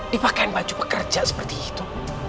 dipakai baju pekerja seperti itu